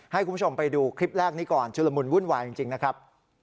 ให้คุณผู้ชมไปดูคลิปแรกนี้ก่อนชุลมุนวุ่นวายจริงนะครับ